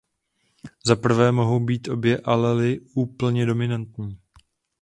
Za prvé mohou být obě alely úplně dominantní.